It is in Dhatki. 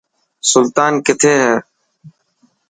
سلطان ڪٿي هي؟